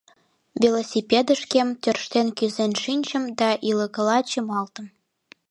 Велосипедышкем тӧрштен кӱзен шинчым да ӱлыкыла чымалтым.